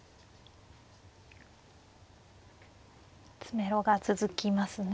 詰めろが続きますね。